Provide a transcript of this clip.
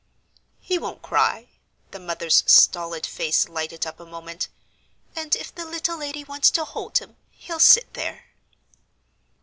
"He won't cry." The mother's stolid face lighted up a moment. "And if the little lady wants to hold him, he'll sit there."